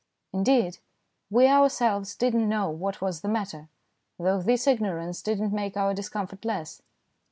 Indeed, we ourselves did not know what was the matter, though this ignorance did not make our discomfort less.